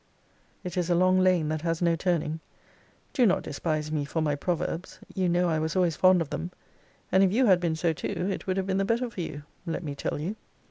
It is a long lane that has no turning. Do not despise me for my proverbs you know I was always fond of them; and if you had been so too, it would have been the better for you, let me tell you.